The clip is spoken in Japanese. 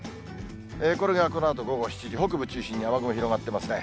これがこのあと午後７時、北部中心に雨雲広がってますね。